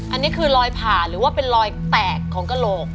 อันนี้คือรอยผ่าหรือว่าเป็นรอยแตกของกระโหลก